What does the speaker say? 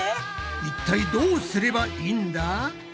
いったいどうすればいいんだ？